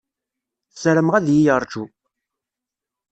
Ssarameɣ ad iyi-yeṛju.